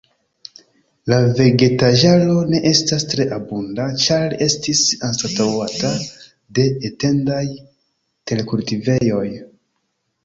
La vegetaĵaro ne estas tre abunda, ĉar estis anstataŭata de etendaj terkultivejoj.